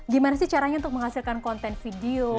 gimana sih caranya untuk menghasilkan konten video